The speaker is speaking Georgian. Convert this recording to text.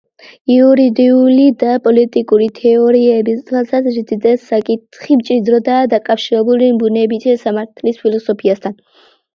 იურიდიული და პოლიტიკური თეორიების თვალსაზრისით, ეს საკითხი მჭიდროდაა დაკავშირებული ბუნებითი სამართლის ფილოსოფიასთან.